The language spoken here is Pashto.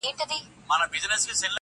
اې گوره تاته وايم